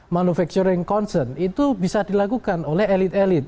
manufacturing concern itu bisa dilakukan oleh elit elit